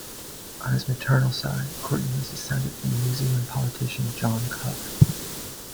On his maternal side, Courtney was descended from the New Zealand politician John Cuff.